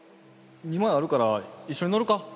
２枚あるから一緒に乗るか？